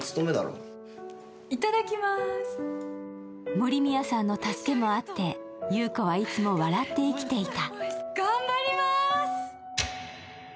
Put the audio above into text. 森宮さんの助けもあって、優子はいつも笑って生きていた。